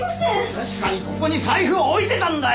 確かにここに財布を置いてたんだよ！